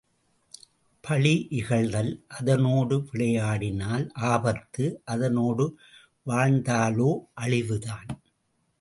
பழி இகழ்தல் அதனோடு விளையாடினால் ஆபத்து அதனோடு வாழ்ந்தாலோ அழிவேதான்.